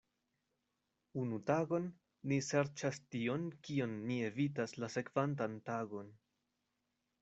Unu tagon, ni serĉas tion, kion ni evitas la sekvantan tagon.